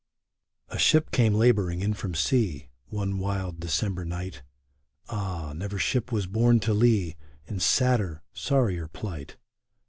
A ship came laboring in from sea, One wild December night ; Ah ! never ship was borne to lee In sadder, sorrier plight